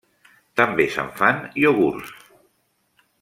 També se'n fan iogurts.